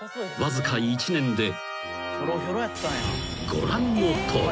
［ご覧のとおり］